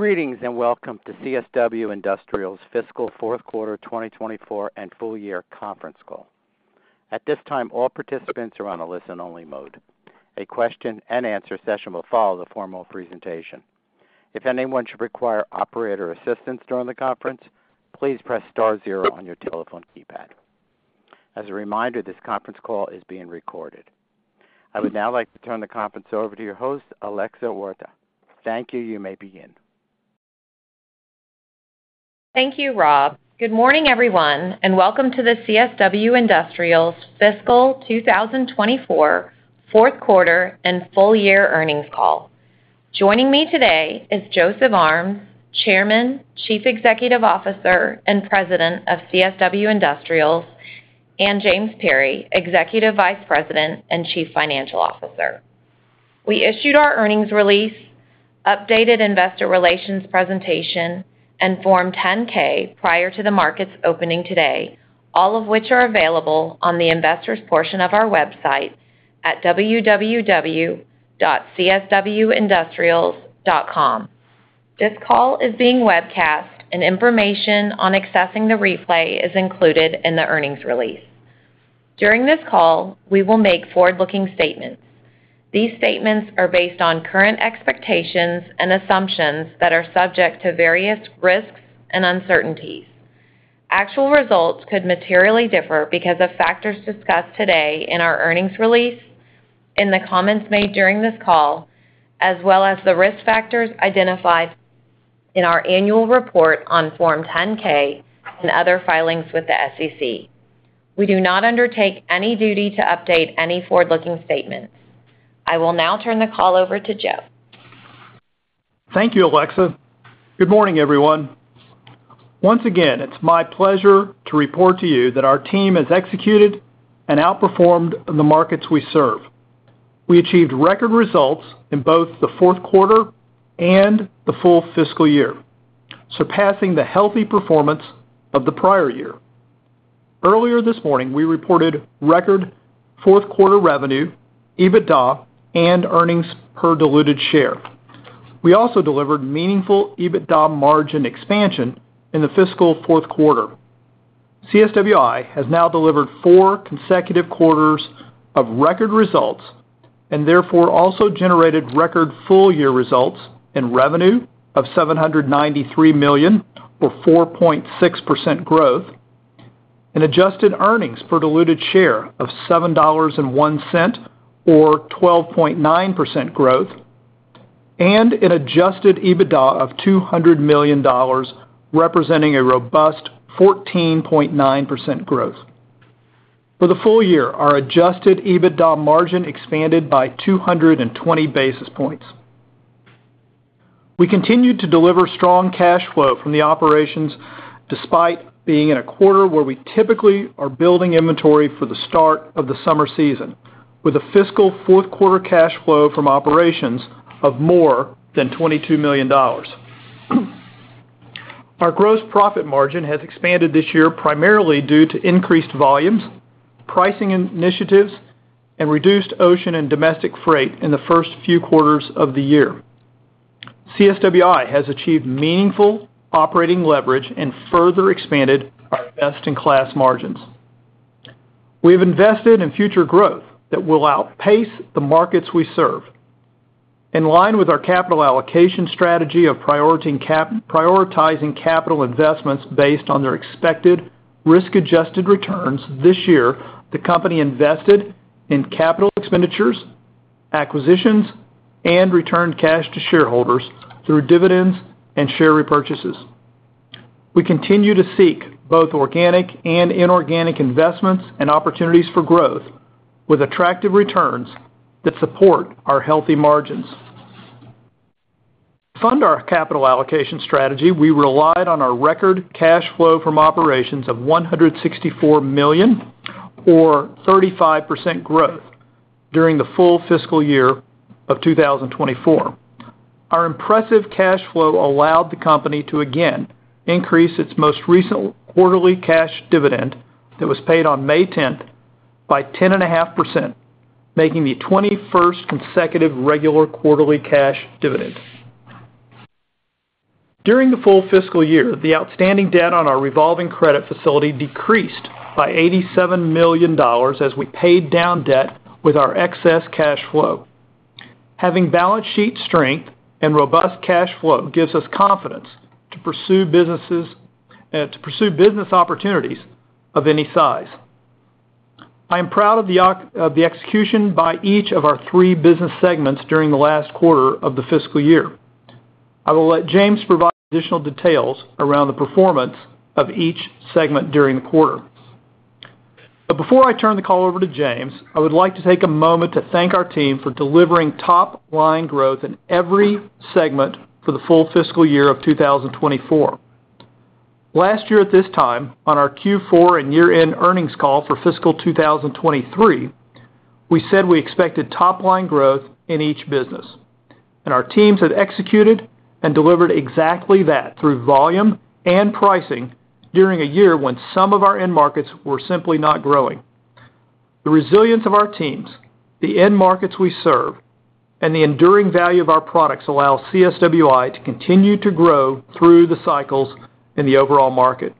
Greetings, and welcome to CSW Industrials' Fiscal Fourth Quarter 2024 and full-year Conference Call. At this time, all participants are on a listen-only mode. A question-and-answer session will follow the formal presentation. If anyone should require operator assistance during the conference, please press star zero on your telephone keypad. As a reminder, this conference call is being recorded. I would now like to turn the conference over to your host, Alexa Huerta. Thank you. You may begin. Thank you, Rob. Good morning, everyone, and welcome to the CSW Industrials Fiscal 2024 Fourth Quarter and full-year Earnings Call. Joining me today is Joseph Armes, Chairman, Chief Executive Officer, and President of CSW Industrials, and James Perry, Executive Vice President and Chief Financial Officer. We issued our earnings release, updated investor relations presentation, and Form 10-K prior to the market's opening today, all of which are available on the investors' portion of our website at www.cswindustrials.com. This call is being webcast, and information on accessing the replay is included in the earnings release. During this call, we will make forward-looking statements. These statements are based on current expectations and assumptions that are subject to various risks and uncertainties. Actual results could materially differ because of factors discussed today in our earnings release, in the comments made during this call, as well as the risk factors identified in our annual report on Form 10-K and other filings with the SEC. We do not undertake any duty to update any forward-looking statements. I will now turn the call over to Joe. Thank you, Alexa. Good morning, everyone. Once again, it's my pleasure to report to you that our team has executed and outperformed the markets we serve. We achieved record results in both the fourth quarter and the full fiscal year, surpassing the healthy performance of the prior-year. Earlier this morning, we reported record fourth quarter revenue, EBITDA, and earnings per diluted share. We also delivered meaningful EBITDA margin expansion in the fiscal fourth quarter. CSWI has now delivered four consecutive quarters of record results, and therefore, also generated record full-year results in revenue of $793 million, or 4.6% growth, an adjusted earnings per diluted share of $7.01, or 12.9% growth, and an adjusted EBITDA of $200 million, representing a robust 14.9% growth. For the full-year, our adjusted EBITDA margin expanded by 220 basis points. We continued to deliver strong cash flow from the operations, despite being in a quarter where we typically are building inventory for the start of the summer season, with a fiscal fourth quarter cash flow from operations of more than $22 million. Our gross profit margin has expanded this year primarily due to increased volumes, pricing initiatives, and reduced ocean and domestic freight in the first few quarters of the year. CSWI has achieved meaningful operating leverage and further expanded our best-in-class margins. We have invested in future growth that will outpace the markets we serve. In line with our capital allocation strategy of prioritizing capital investments based on their expected risk-adjusted returns this year, the company invested in capital expenditures, acquisitions, and returned cash to shareholders through dividends and share repurchases. We continue to seek both organic and inorganic investments and opportunities for growth, with attractive returns that support our healthy margins. To fund our capital allocation strategy, we relied on our record cash flow from operations of $164 million or 35% growth during the full fiscal year of 2024. Our impressive cash flow allowed the company to again increase its most recent quarterly cash dividend that was paid on May tenth by 10.5%, making the 21st consecutive regular quarterly cash dividend. During the full fiscal year, the outstanding debt on our revolving credit facility decreased by $87 million as we paid down debt with our excess cash flow. Having balance sheet strength and robust cash flow gives us confidence to pursue businesses, to pursue business opportunities of any size. I am proud of the execution by each of our three business segments during the last quarter of the fiscal year. I will let James provide additional details around the performance of each segment during the quarter. But before I turn the call over to James, I would like to take a moment to thank our team for delivering top-line growth in every segment for the full fiscal year of 2024. Last year, at this time, on our Q4 and year-end earnings call for fiscal 2023, we said we expected top-line growth in each business, and our teams have executed and delivered exactly that through volume and pricing during a year when some of our end markets were simply not growing. The resilience of our teams, the end markets we serve, and the enduring value of our products allow CSWI to continue to grow through the cycles in the overall market.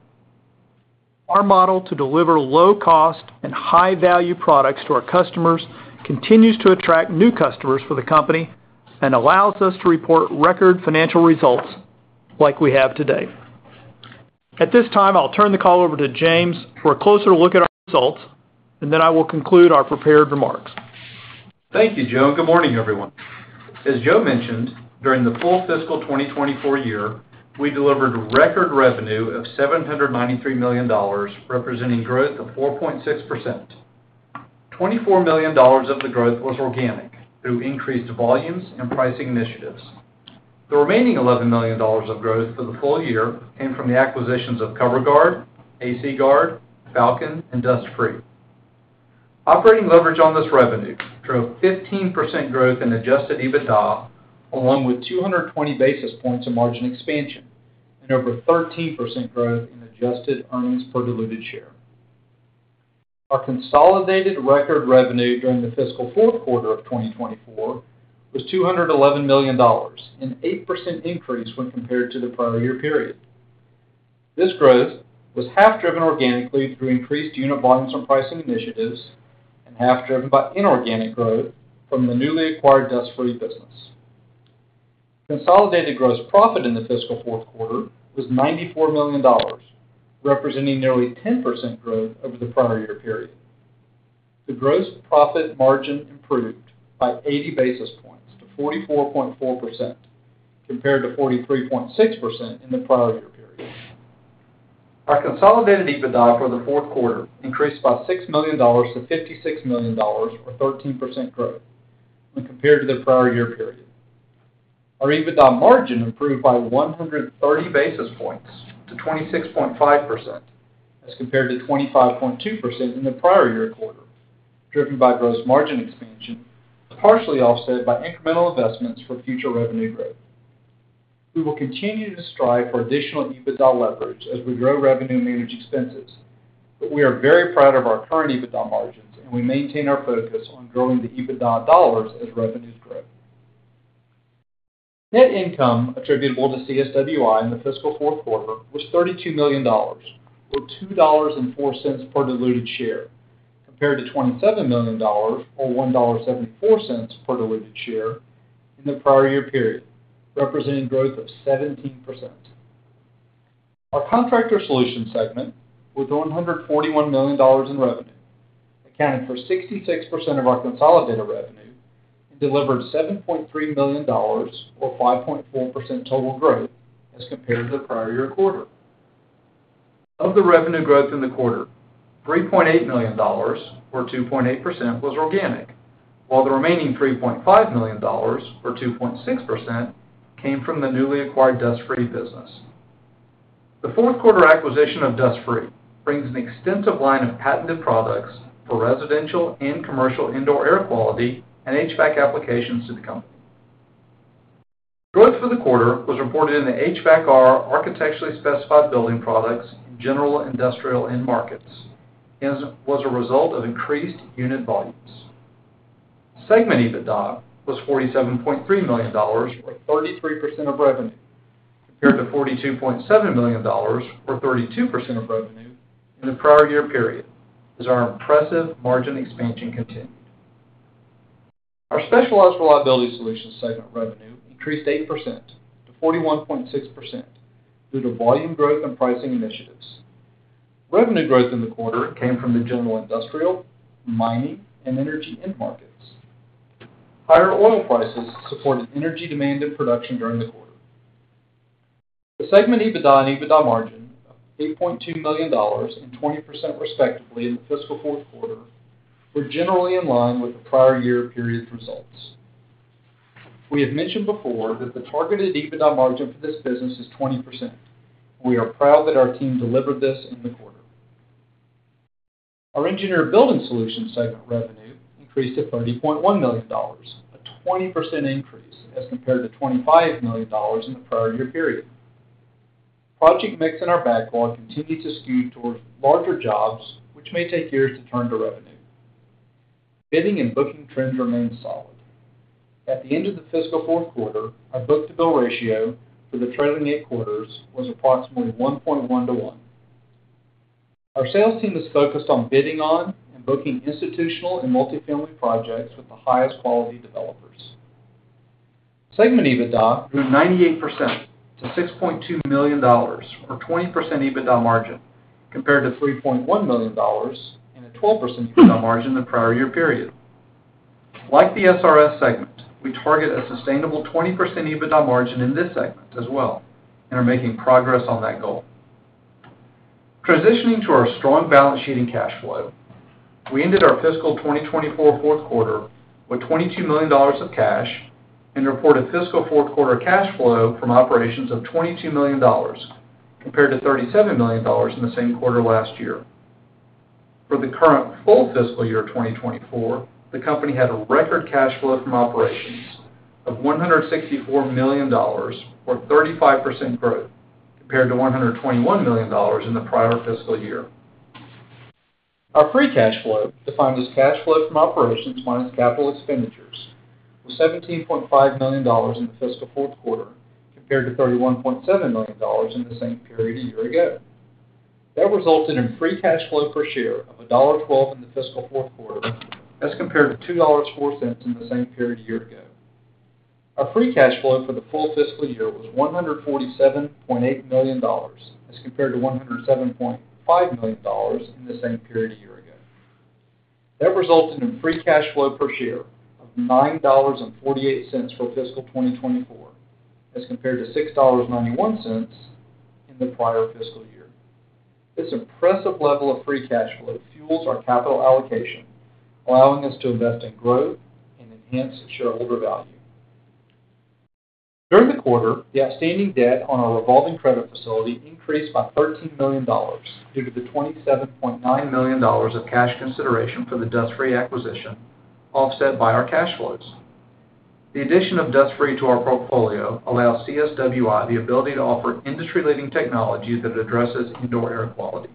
Our model to deliver low-cost and high-value products to our customers continues to attract new customers for the company and allows us to report record financial results like we have today. At this time, I'll turn the call over to James for a closer look at our results, and then I will conclude our prepared remarks. Thank you, Joe, and good morning, everyone. As Joe mentioned, during the full fiscal 2024 year, we delivered record revenue of $793 million, representing growth of 4.6%. $24 million of the growth was organic, through increased volumes and pricing initiatives. The remaining $11 million of growth for the full-year came from the acquisitions of Cover Guard, AC Guard, Falcon, and Dust Free. Operating leverage on this revenue drove 15% growth in Adjusted EBITDA, along with 220 basis points of margin expansion and over 13% growth in Adjusted Earnings Per Diluted Share. Our consolidated record revenue during the fiscal fourth quarter of 2024 was $211 million, an 8% increase when compared to the prior-year period. This growth was half driven organically through increased unit volumes and pricing initiatives, and half driven by inorganic growth from the newly acquired Dust Free business. Consolidated gross profit in the fiscal fourth quarter was $94 million, representing nearly 10% growth over the prior-year period. The gross profit margin improved by 80 basis points to 44.4%, compared to 43.6% in the prior-year period. Our consolidated EBITDA for the fourth quarter increased by $6 million to $56 million, or 13% growth when compared to the prior-year period. Our EBITDA margin improved by 130 basis points to 26.5%, as compared to 25.2% in the prior-year quarter, driven by gross margin expansion, partially offset by incremental investments for future revenue growth. We will continue to strive for additional EBITDA leverage as we grow revenue and manage expenses, but we are very proud of our current EBITDA margins, and we maintain our focus on growing the EBITDA dollars as revenues grow. Net income attributable to CSWI in the fiscal fourth quarter was $32 million, or $2.04 per diluted share, compared to $27 million, or $1.74 per diluted share in the prior-year period, representing 17% growth. Our Contractor Solutions segment, with $141 million in revenue, accounted for 66% of our consolidated revenue and delivered $7.3 million, or 5.4% total growth as compared to the prior-year quarter. Of the revenue growth in the quarter, $3.8 million, or 2.8%, was organic, while the remaining $3.5 million, or 2.6%, came from the newly acquired Dust Free business. The fourth quarter acquisition of Dust Free brings an extensive line of patented products for residential and commercial indoor air quality and HVAC applications to the company. Growth for the quarter was reported in the HVACR, architecturally specified building products, general industrial end markets, and was a result of increased unit volumes. Segment EBITDA was $47.3 million, or 33% of revenue, compared to $42.7 million, or 32% of revenue, in the prior-year period, as our impressive margin expansion continued. Our Specialized Reliability Solutions segment revenue increased 8% -41.6% due to volume growth and pricing initiatives. Revenue growth in the quarter came from the general industrial, mining, and energy end markets. Higher oil prices supported energy demand and production during the quarter. The segment EBITDA and EBITDA margin of $8.2 million and 20%, respectively, in the fiscal fourth quarter, were generally in line with the prior-year period's results. We have mentioned before that the targeted EBITDA margin for this business is 20%. We are proud that our team delivered this in the quarter. Our Engineered Building Solutions segment revenue increased to $30.1 million, a 20% increase as compared to $25 million in the prior-year period. Project mix in our backlog continued to skew towards larger jobs, which may take years to turn to revenue. Bidding and booking trends remain solid. At the end of the fiscal fourth quarter, our book-to-bill ratio for the trailing eight quarters was approximately 1.1:1. Our sales team is focused on bidding on and booking institutional and multifamily projects with the highest quality developers. Segment EBITDA grew 98% to $6.2 million, or 20% EBITDA margin, compared to $3.1 million and a 12% EBITDA margin in the prior-year period. Like the SRS segment, we target a sustainable 20% EBITDA margin in this segment as well and are making progress on that goal. Transitioning to our strong balance sheet and cash flow, we ended our fiscal 2024 fourth quarter with $22 million of cash and reported fiscal fourth quarter cash flow from operations of $22 million, compared to $37 million in the same quarter last year. For the current full fiscal year of 2024, the company had a record cash flow from operations of $164 million, or 35% growth, compared to $121 million in the prior fiscal year. Our free cash flow, defined as cash flow from operations minus capital expenditures, was $17.5 million in the fiscal fourth quarter, compared to $31.7 million in the same period a year ago. That resulted in free cash flow per share of $1.12 in the fiscal fourth quarter, as compared to $2.04 in the same period a year ago. Our free cash flow for the full fiscal year was $147.8 million, as compared to $107.5 million in the same period a year ago. That resulted in free cash flow per share of $9.48 for fiscal 2024, as compared to $6.91 in the prior fiscal year. This impressive level of free cash flow fuels our capital allocation, allowing us to invest in growth and enhance shareholder value. During the quarter, the outstanding debt on our revolving credit facility increased by $13 million due to the $27.9 million of cash consideration for the Dust Free acquisition, offset by our cash flows. The addition of Dust Free to our portfolio allows CSWI the ability to offer industry-leading technology that addresses indoor air quality.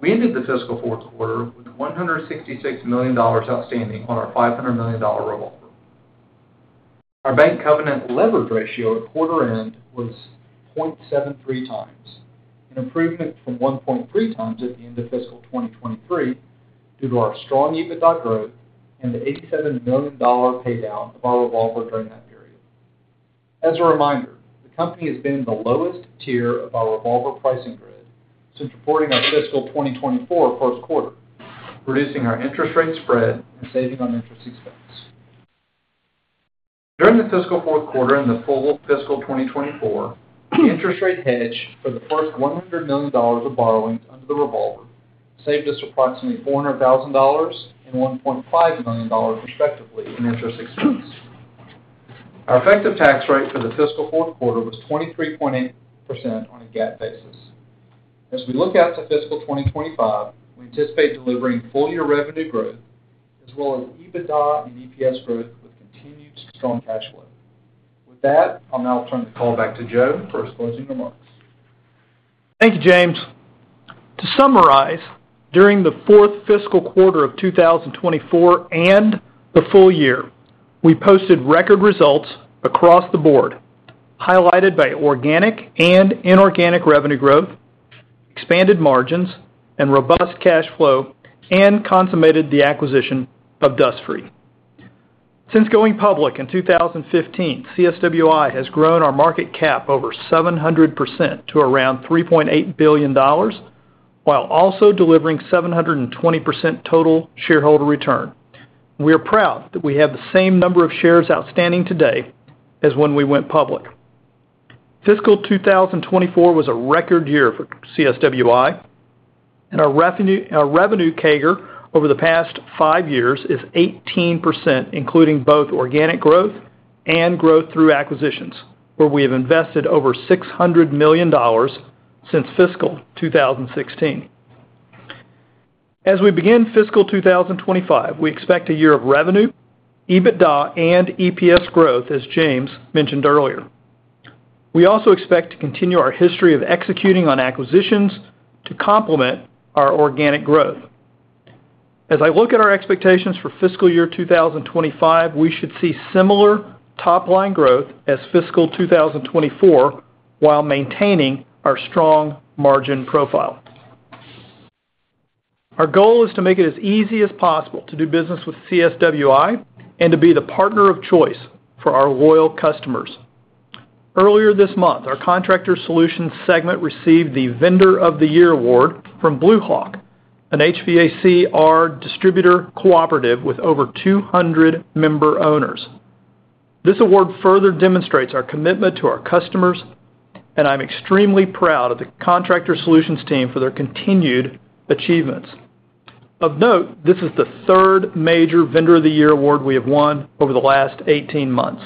We ended the fiscal fourth quarter with $166 million outstanding on our $500 million revolver. Our bank covenant leverage ratio at quarter end was 0.73 times, an improvement from 1.3 times at the end of fiscal 2023, due to our strong EBITDA growth and the $87 million pay down of our revolver during that period. As a reminder, the company has been in the lowest tier of our revolver pricing grid since reporting our fiscal 2024 first quarter, reducing our interest rate spread and saving on interest expense. During the fiscal fourth quarter and the full fiscal 2024, the interest rate hedge for the first $100 million of borrowings under the revolver saved us approximately $400,000 and $1.5 million, respectively, in interest expense. Our effective tax rate for the fiscal fourth quarter was 23.8% on a GAAP basis. As we look out to fiscal 2025, we anticipate delivering full-year revenue growth, as well as EBITDA and EPS growth, with continued strong cash flow. With that, I'll now turn the call back to Joe for his closing remarks. Thank you, James. To summarize, during the fourth fiscal quarter of 2024 and the full-year, we posted record results across the board, highlighted by organic and inorganic revenue growth, expanded margins, and robust cash flow, and consummated the acquisition of Dust Free. Since going public in 2015, CSWI has grown our market cap over 700% to around $3.8 billion, while also delivering 720% total shareholder return. We are proud that we have the same number of shares outstanding today as when we went public. Fiscal 2024 was a record year for CSWI, and our revenue, our revenue CAGR over the past 5 years is 18%, including both organic growth and growth through acquisitions, where we have invested over $600 million since fiscal 2016. As we begin fiscal 2025, we expect a year of revenue, EBITDA, and EPS growth, as James mentioned earlier. We also expect to continue our history of executing on acquisitions to complement our organic growth. As I look at our expectations for fiscal year 2025, we should see similar top-line growth as fiscal 2024, while maintaining our strong margin profile. Our goal is to make it as easy as possible to do business with CSWI and to be the partner of choice for our loyal customers. Earlier this month, our Contractor Solutions segment received the Vendor of the Year award from BLUE HAWK, an HVACR distributor cooperative with over 200 member owners. This award further demonstrates our commitment to our customers, and I'm extremely proud of the Contractor Solutions team for their continued achievements. Of note, this is the third major Vendor of the Year award we have won over the last 18 months.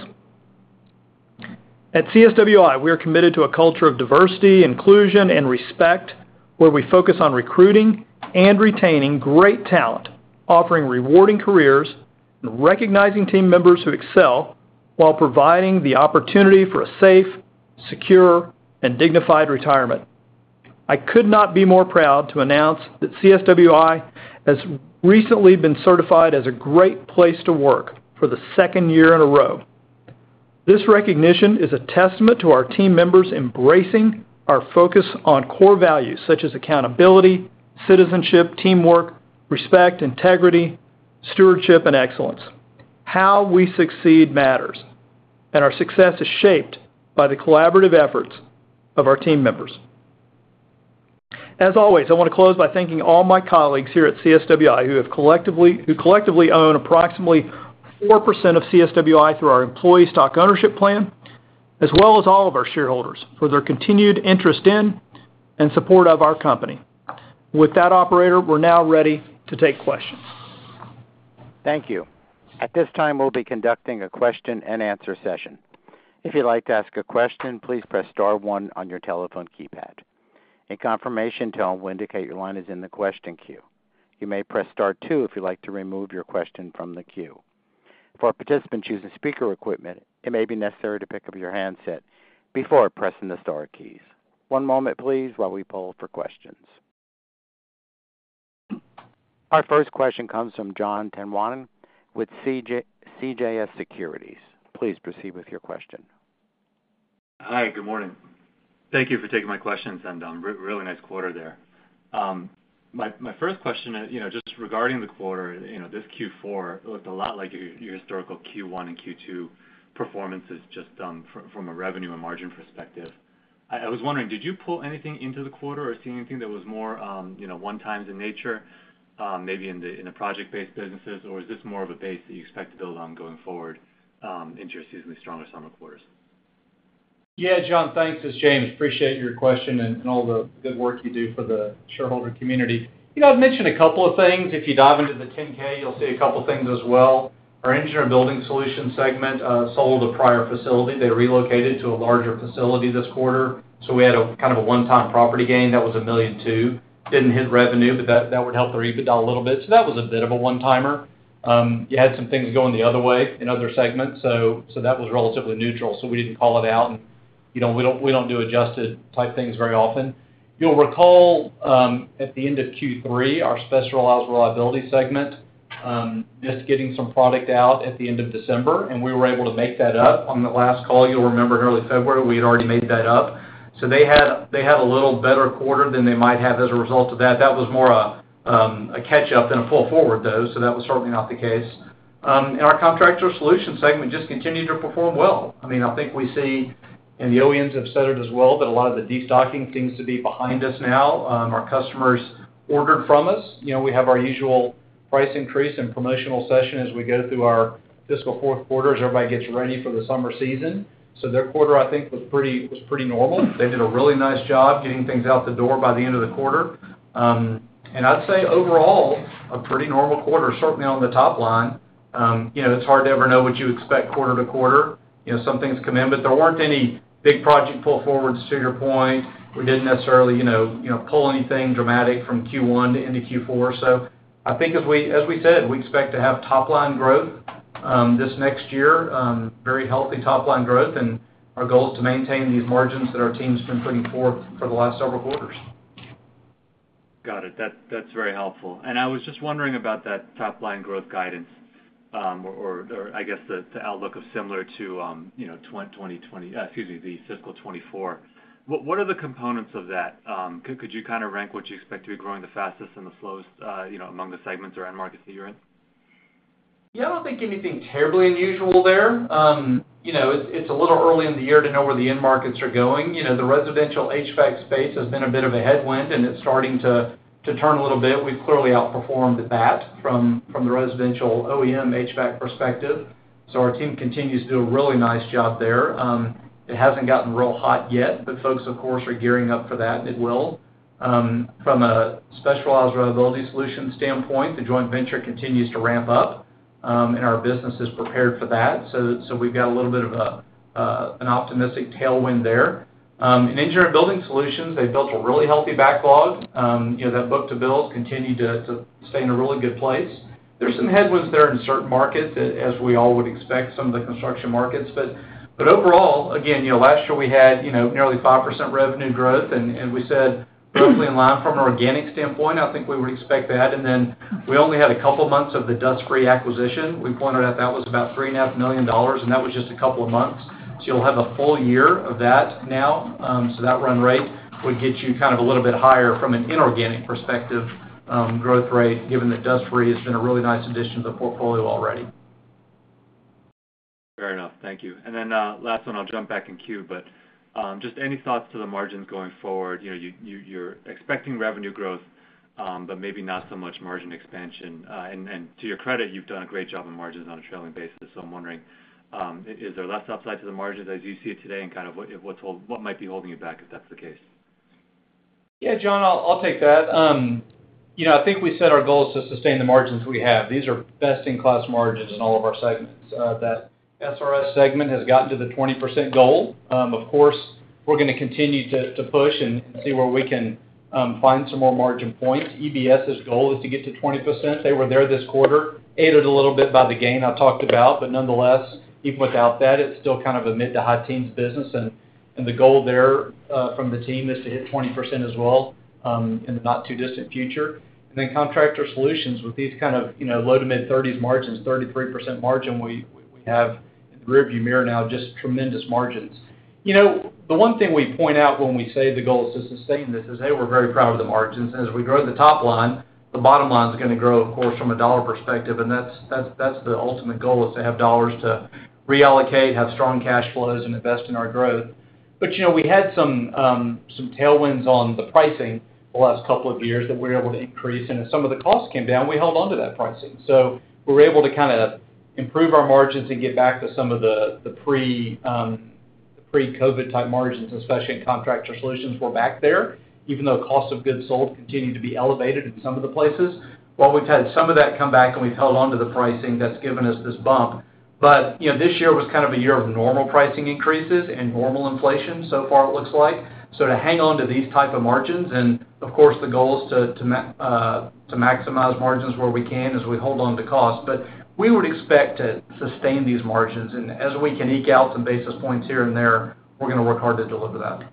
At CSWI, we are committed to a culture of diversity, inclusion, and respect, where we focus on recruiting and retaining great talent, offering rewarding careers and recognizing team members who excel while providing the opportunity for a safe, secure, and dignified retirement. I could not be more proud to announce that CSWI has recently been certified as a Great Place to Work for the second year in a row. This recognition is a testament to our team members embracing our focus on core values such as accountability, citizenship, teamwork, respect, integrity, stewardship, and excellence. How we succeed matters, and our success is shaped by the collaborative efforts of our team members. As always, I want to close by thanking all my colleagues here at CSWI, who collectively own approximately 4% of CSWI through our Employee Stock Ownership Plan, as well as all of our shareholders for their continued interest in and support of our company. With that, operator, we're now ready to take questions. Thank you. At this time, we'll be conducting a question-and-answer session. If you'd like to ask a question, please press star one on your telephone keypad. A confirmation tone will indicate your line is in the question queue. You may press star two if you'd like to remove your question from the queue. ...For participants using speaker equipment, it may be necessary to pick up your handset before pressing the star keys. One moment please, while we poll for questions. Our first question comes from John Tanwanteng with CJS Securities. Please proceed with your question. Hi, good morning. Thank you for taking my questions, and, really nice quarter there. My first question is, you know, just regarding the quarter, you know, this Q4 looked a lot like your historical Q1 and Q2 performances, just, from a revenue and margin perspective. I was wondering, did you pull anything into the quarter or see anything that was more, you know, one-times in nature, maybe in the project-based businesses? Or is this more of a base that you expect to build on going forward, into your seasonally stronger summer quarters? Yeah, John, thanks. It's James. Appreciate your question and, and all the good work you do for the shareholder community. You know, I've mentioned a couple of things. If you dive into the 10-K, you'll see a couple things as well. Our Engineered Building Solutions segment sold a prior facility. They relocated to a larger facility this quarter, so we had a kind of a one-time property gain that was $1.2 million. Didn't hit revenue, but that, that would help their EBITDA a little bit. So that was a bit of a one-timer. You had some things going the other way in other segments, so, so that was relatively neutral, so we didn't call it out, and, you know, we don't, we don't do adjusted-type things very often. You'll recall, at the end of Q3, our Specialized Reliability segment, just getting some product out at the end of December, and we were able to make that up. On the last call, you'll remember in early February, we had already made that up. So they had, they had a little better quarter than they might have as a result of that. That was more a, a catch-up than a pull forward, though, so that was certainly not the case. And our Contractor Solutions segment just continued to perform well. I mean, I think we see, and the OEMs have said it as well, that a lot of the destocking seems to be behind us now. Our customers ordered from us. You know, we have our usual price increase and promotional session as we go through our fiscal fourth quarter, as everybody gets ready for the summer season. So their quarter, I think, was pretty, was pretty normal. They did a really nice job getting things out the door by the end of the quarter. And I'd say overall, a pretty normal quarter, certainly on the top line. You know, it's hard to ever know what you expect quarter-to-quarter. You know, some things come in, but there weren't any big project pull forwards to your point. We didn't necessarily, you know, pull anything dramatic from Q1 into Q4. I think as we, as we said, we expect to have top line growth, this next year, very healthy top line growth, and our goal is to maintain these margins that our team's been putting forth for the last several quarters. Got it. That, that's very helpful. I was just wondering about that top line growth guidance, I guess the outlook of similar to, you know, excuse me, the fiscal 2024. What are the components of that? Could you kind of rank what you expect to be growing the fastest and the slowest, you know, among the segments or end markets that you're in? Yeah, I don't think anything terribly unusual there. You know, it's, it's a little early in the year to know where the end markets are going. You know, the residential HVAC space has been a bit of a headwind, and it's starting to, to turn a little bit. We've clearly outperformed that from, from the residential OEM HVAC perspective, so our team continues to do a really nice job there. It hasn't gotten real hot yet, but folks, of course, are gearing up for that, and it will. From a specialized reliability solution standpoint, the joint venture continues to ramp up, and our business is prepared for that. So, we've got a little bit of a, an optimistic tailwind there. In Engineered Building Solutions, they built a really healthy backlog. You know, that book-to-bill continued to, to stay in a really good place. There's some headwinds there in certain markets, as we all would expect, some of the construction markets. But, but overall, again, you know, last year we had, you know, nearly 5% revenue growth, and, and we said roughly in line from an organic standpoint, I think we would expect that. And then we only had a couple months of the Dust Free acquisition. We pointed out that was about $3.5 million, and that was just a couple of months. So you'll have a full-year of that now, so that run rate would get you kind of a little bit higher from an inorganic perspective, growth rate, given that Dust Free has been a really nice addition to the portfolio already. Fair enough. Thank you. And then, last one, I'll jump back in queue, but, just any thoughts to the margins going forward? You know, you, you're expecting revenue growth, but maybe not so much margin expansion. And to your credit, you've done a great job on margins on a trailing basis, so I'm wondering, is there less upside to the margins as you see it today, and kind of what might be holding you back, if that's the case? Yeah, John, I'll take that. You know, I think we set our goals to sustain the margins we have. These are best-in-class margins in all of our segments. That SRS segment has gotten to the 20% goal. Of course, we're gonna continue to push and see where we can find some more margin points. EBS's goal is to get to 20%. They were there this quarter, aided a little bit by the gain I talked about, but nonetheless, even without that, it's still kind of a mid- to high-teens business, and the goal there from the team is to hit 20% as well in the not-too-distant future. And then Contractor Solutions, with these kind of, you know, low- to mid-thirties margins, 33% margin, we have the rearview mirror now, just tremendous margins. You know, the one thing we point out when we say the goal is to sustain this is, hey, we're very proud of the margins, and as we grow the top line, the bottom line is gonna grow, of course, from a dollar perspective, and that's, that's, that's the ultimate goal, is to have dollars to reallocate, have strong cash flows, and invest in our growth. But, you know, we had some tailwinds on the pricing the last couple of years that we were able to increase, and as some of the costs came down, we held on to that pricing. So we were able to kinda improve our margins and get back to some of the pre-COVID type margins, especially in Contractor Solutions. We're back there, even though cost of goods sold continued to be elevated in some of the places. While we've had some of that come back and we've held on to the pricing, that's given us this bump. But, you know, this year was kind of a year of normal pricing increases and normal inflation so far, it looks like. So to hang on to these type of margins, and of course, the goal is to maximize margins where we can as we hold on to cost. But we would expect to sustain these margins, and as we can eke out some basis points here and there, we're gonna work hard to deliver that....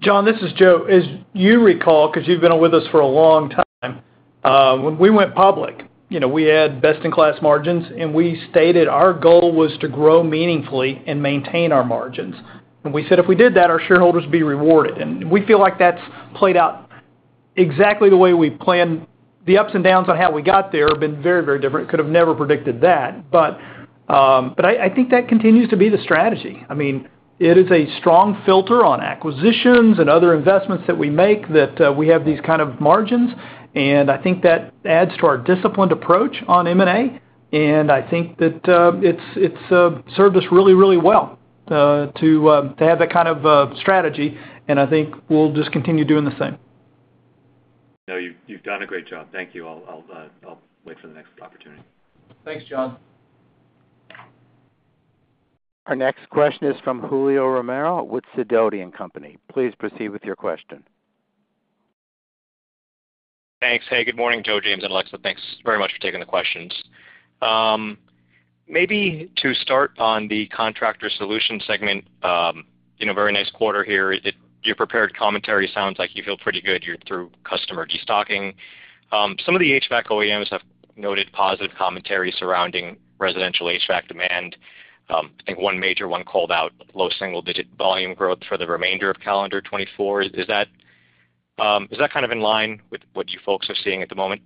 John, this is Joe. As you recall, because you've been with us for a long time, when we went public, you know, we had best-in-class margins, and we stated our goal was to grow meaningfully and maintain our margins. We said, if we did that, our shareholders would be rewarded, and we feel like that's played out exactly the way we planned. The ups and downs on how we got there have been very, very different. Could have never predicted that, but, but I, I think that continues to be the strategy. I mean, it is a strong filter on acquisitions and other investments that we make, that, we have these kind of margins, and I think that adds to our disciplined approach on M&A. And I think that it's served us really, really well to have that kind of strategy, and I think we'll just continue doing the same. No, you've done a great job. Thank you. I'll wait for the next opportunity. Thanks, John. Our next question is from Julio Romero with Sidoti & Company. Please proceed with your question. Thanks. Hey, good morning, Joe, James, and Alexa. Thanks very much for taking the questions. Maybe to start on the Contractor Solutions segment, you know, very nice quarter here. Your prepared commentary sounds like you feel pretty good. You're through customer destocking. Some of the HVAC OEMs have noted positive commentary surrounding residential HVAC demand. I think one major one called out low single-digit volume growth for the remainder of calendar 2024. Is that kind of in line with what you folks are seeing at the moment?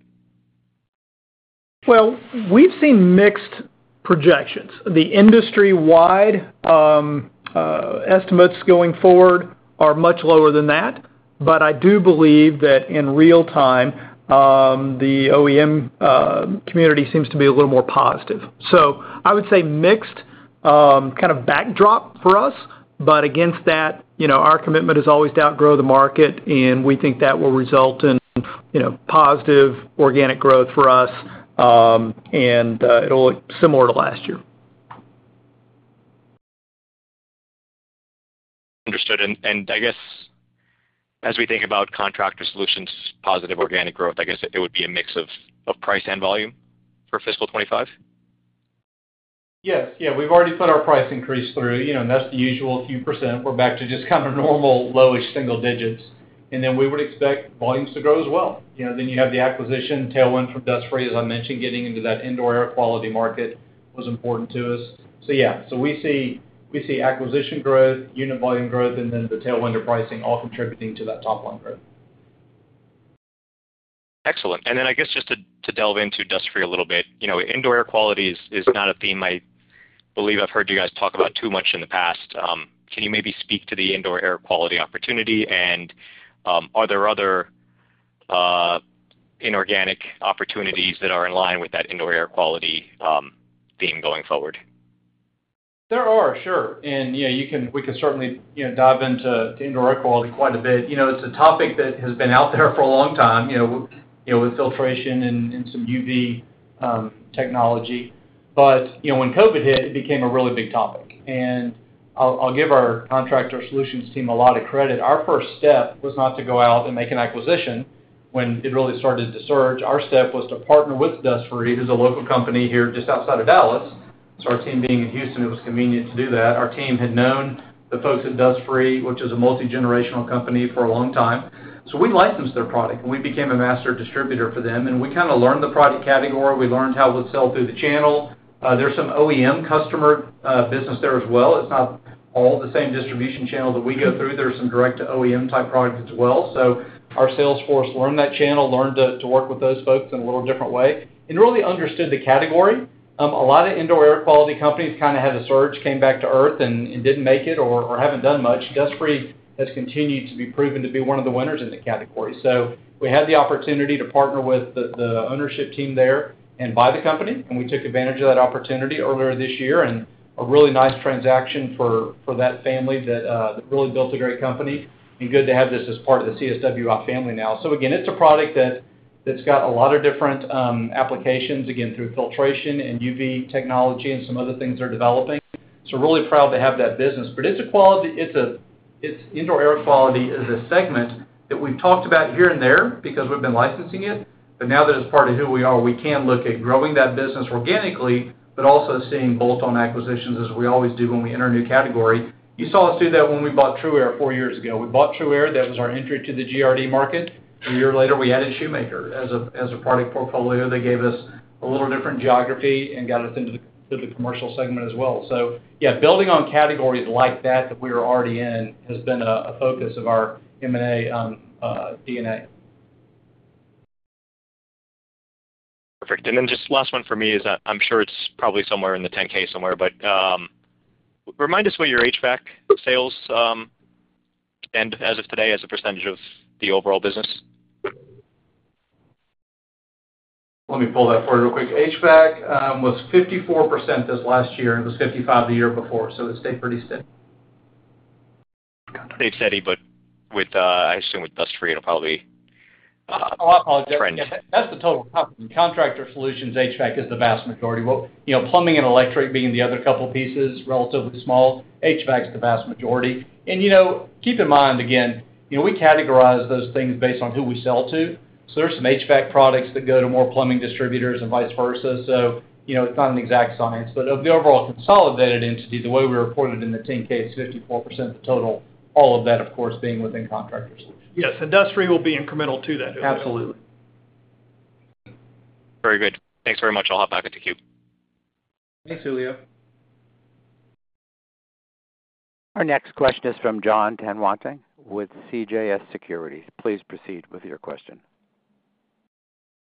Well, we've seen mixed projections. The industry-wide estimates going forward are much lower than that, but I do believe that in real time, the OEM community seems to be a little more positive. So I would say mixed kind of backdrop for us, but against that, you know, our commitment is always to outgrow the market, and we think that will result in, you know, positive organic growth for us, and it'll look similar to last year. Understood. And, and I guess, as we think about Contractor Solutions' positive organic growth, I guess it would be a mix of, of price and volume for fiscal 2025? Yes. Yeah, we've already put our price increase through, you know, and that's the usual few percent. We're back to just kind of normal, lowish single digits, and then we would expect volumes to grow as well. You know, then you have the acquisition tailwind from Dust Free, as I mentioned, getting into that indoor air quality market was important to us. So yeah, so we see, we see acquisition growth, unit volume growth, and then the tailwind pricing all contributing to that top line growth. Excellent. And then, I guess, just to, to delve into Dust Free a little bit. You know, indoor air quality is, is not a theme I believe I've heard you guys talk about too much in the past. Can you maybe speak to the indoor air quality opportunity? And, are there other inorganic opportunities that are in line with that indoor air quality theme going forward? There are, sure. You know, you can, we can certainly, you know, dive into indoor air quality quite a bit. You know, it's a topic that has been out there for a long time, you know, you know, with filtration and some UV technology. But, you know, when COVID hit, it became a really big topic, and I'll give our Contractor Solutions team a lot of credit. Our first step was not to go out and make an acquisition when it really started to surge. Our step was to partner with Dust Free, who's a local company here, just outside of Dallas. So our team being in Houston, it was convenient to do that. Our team had known the folks at Dust Free, which is a multigenerational company, for a long time. So we licensed their product, and we became a master distributor for them, and we kind of learned the product category. We learned how it would sell through the channel. There's some OEM customer business there as well. It's not all the same distribution channel that we go through. There are some direct-to-OEM-type products as well. So our sales force learned that channel, learned to work with those folks in a little different way and really understood the category. A lot of indoor air quality companies kind of had a surge, came back to earth and didn't make it or haven't done much. Dust Free has continued to be proven to be one of the winners in the category. So we had the opportunity to partner with the ownership team there and buy the company, and we took advantage of that opportunity earlier this year. And a really nice transaction for that family that really built a great company, and good to have this as part of the CSWI family now. So again, it's a product that's got a lot of different applications, again, through filtration and UV technology and some other things they're developing. So really proud to have that business. But it's a quality indoor air quality is a segment that we've talked about here and there because we've been licensing it. But now that it's part of who we are, we can look at growing that business organically, but also seeing bolt-on acquisitions, as we always do when we enter a new category. You saw us do that when we bought TRUaire four years ago. We bought TRUaire. That was our entry to the GRD market. A year later, we added Shoemaker as a product portfolio. They gave us a little different geography and got us into the commercial segment as well. So yeah, building on categories like that, that we are already in, has been a focus of our M&A DNA. Perfect. And then just last one for me is, I'm sure it's probably somewhere in the 10-K somewhere, but, remind us what your HVAC sales, and as of today, as a percentage of the overall business? Let me pull that for you real quick. HVAC was 54% this last year, and it was 55% the year before, so it stayed pretty steady. Pretty steady, but with, I assume with Dust Free, it'll probably, trend- Oh, I'll apologize. That's the total company. Contractor Solutions, HVAC is the vast majority. Well, you know, plumbing and electric being the other couple pieces, relatively small. HVAC is the vast majority. And, you know, keep in mind, again, you know, we categorize those things based on who we sell to. So there are some HVAC products that go to more plumbing distributors and vice versa. So you know, it's not an exact science, but the overall consolidated entity, the way we report it in the 10-K, is 54% the total, all of that, of course, being within Contractor Solutions. Yes, Dust Free will be incremental to that. Absolutely... Very good. Thanks very much. I'll hop back into queue. Thanks, Julio. Our next question is from John Tanwanteng with CJS Securities. Please proceed with your question.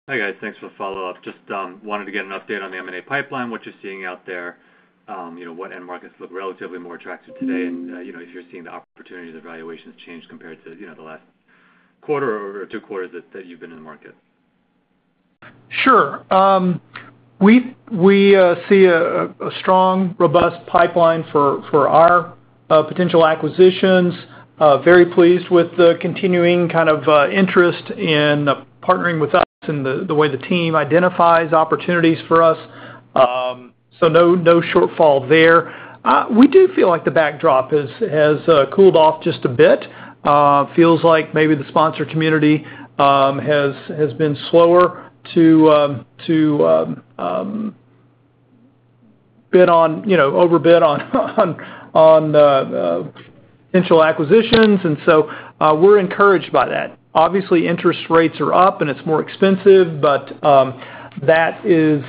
Hi, guys. Thanks for the follow-up. Just wanted to get an update on the M&A pipeline, what you're seeing out there, you know, what end markets look relatively more attractive today, and, you know, if you're seeing the opportunities and valuations change compared to, you know, the last quarter or two quarters that you've been in the market? Sure. We see a strong, robust pipeline for our potential acquisitions. Very pleased with the continuing kind of interest in partnering with us and the way the team identifies opportunities for us. So no shortfall there. We do feel like the backdrop has cooled off just a bit. Feels like maybe the sponsor community has been slower to bid on, you know, overbid on potential acquisitions, and so we're encouraged by that. Obviously, interest rates are up, and it's more expensive, but that is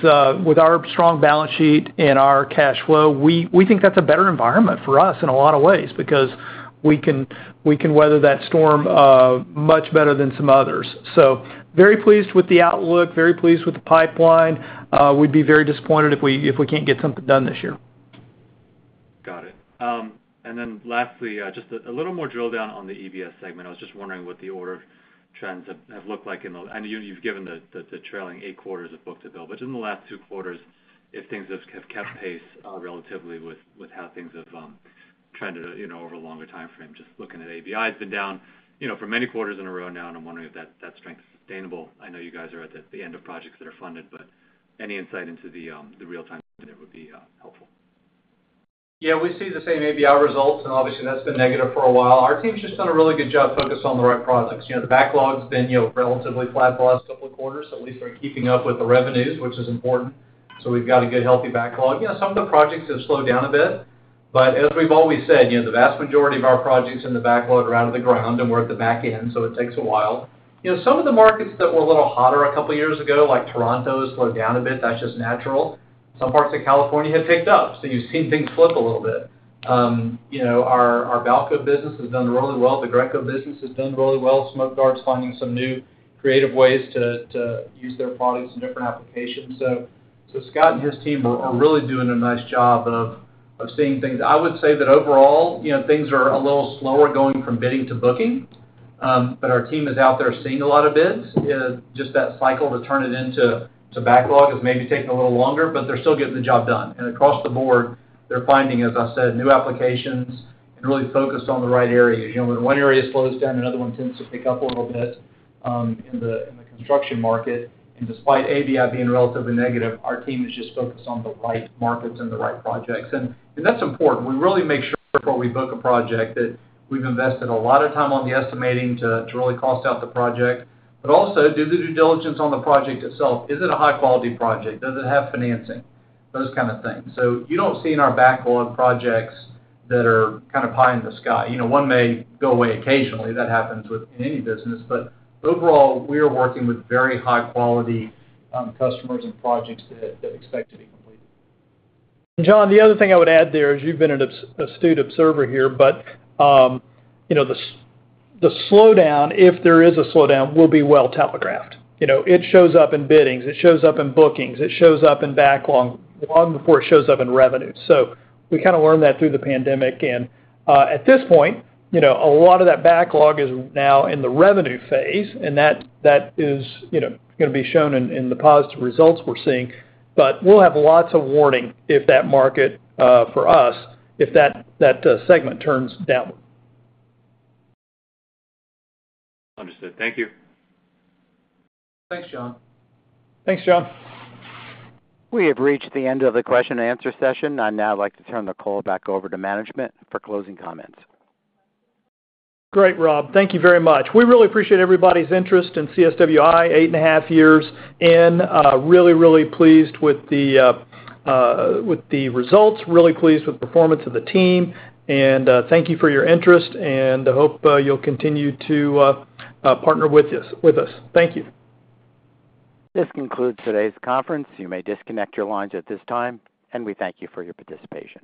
with our strong balance sheet and our cash flow, we think that's a better environment for us in a lot of ways because we can weather that storm much better than some others. So very pleased with the outlook, very pleased with the pipeline. We'd be very disappointed if we, if we can't get something done this year. Got it. And then lastly, just a little more drill down on the EBS segment. I was just wondering what the order trends have looked like in the... I know you've given the trailing 8 quarters of book-to-bill, but in the last 2 quarters, if things have kept pace relatively with how things have trended, you know, over a longer timeframe. Just looking at ABI, it's been down, you know, for many quarters in a row now, and I'm wondering if that strength is sustainable. I know you guys are at the end of projects that are funded, but any insight into the real-time would be helpful. Yeah, we see the same ABI results, and obviously, that's been negative for a while. Our team's just done a really good job focused on the right products. You know, the backlog's been, you know, relatively flat for the last couple of quarters. So at least we're keeping up with the revenues, which is important. So we've got a good, healthy backlog. You know, some of the projects have slowed down a bit, but as we've always said, you know, the vast majority of our projects in the backlog are out of the ground, and we're at the back end, so it takes a while. You know, some of the markets that were a little hotter a couple of years ago, like Toronto, has slowed down a bit. That's just natural. Some parts of California have picked up, so you've seen things flip a little bit. You know, our Balco business has done really well. The Greco business has done really well. Smoke Guard's finding some new creative ways to use their products in different applications. So Scott and his team are really doing a nice job of seeing things. I would say that overall, you know, things are a little slower going from bidding to booking, but our team is out there seeing a lot of bids. Just that cycle to turn it into backlog is maybe taking a little longer, but they're still getting the job done. And across the board, they're finding, as I said, new applications and really focused on the right area. You know, when one area slows down, another one tends to pick up a little bit in the construction market. Despite ABI being relatively negative, our team is just focused on the right markets and the right projects, and that's important. We really make sure before we book a project that we've invested a lot of time on the estimating to really cost out the project, but also do the due diligence on the project itself. Is it a high-quality project? Does it have financing? Those kind of things. So you don't see in our backlog projects that are kind of high in the sky. You know, one may go away occasionally. That happens within any business, but overall, we are working with very high-quality customers and projects that expect to be completed. John, the other thing I would add there is, you've been an astute observer here, but, you know, the slowdown, if there is a slowdown, will be well telegraphed. You know, it shows up in biddings, it shows up in bookings, it shows up in backlog, long before it shows up in revenue. So we kind of learned that through the pandemic, and, at this point, you know, a lot of that backlog is now in the revenue phase, and that, that is, you know, gonna be shown in, in the positive results we're seeing. But we'll have lots of warning if that market, for us, if that, that, segment turns down. Understood. Thank you. Thanks, John. Thanks, John. We have reached the end of the question and answer session. I'd now like to turn the call back over to management for closing comments. Great, Rob. Thank you very much. We really appreciate everybody's interest in CSWI, 8.5 years in. Really, really pleased with the results, really pleased with the performance of the team. And, thank you for your interest, and I hope you'll continue to partner with us, with us. Thank you. This concludes today's conference. You may disconnect your lines at this time, and we thank you for your participation.